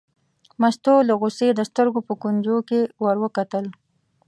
مستو له غوسې د سترګو په کونجو کې ور وکتل.